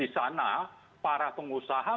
di sana para pengusaha